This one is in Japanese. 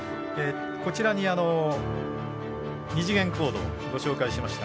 こちらに２次元コードご紹介しました。